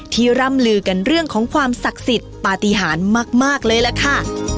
ร่ำลือกันเรื่องของความศักดิ์สิทธิ์ปฏิหารมากเลยล่ะค่ะ